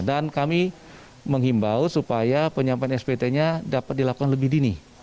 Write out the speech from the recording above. dan kami menghimbau supaya penyampaian spt nya dapat dilakukan lebih dini